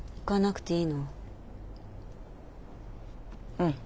うん。